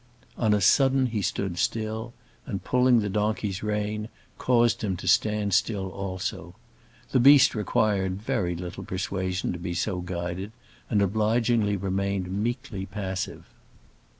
On a sudden he stood still, and pulling the donkey's rein, caused him to stand still also. The beast required very little persuasion to be so guided, and obligingly remained meekly passive.